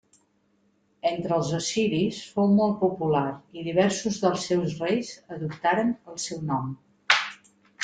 Entre els assiris, fou molt popular i diversos dels seus reis adoptaren el seu nom.